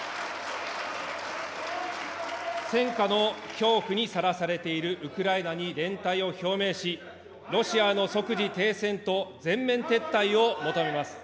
戦渦の恐怖にさらされているウクライナに連帯を表明し、ロシアの即時停戦と、全面撤退を求めます。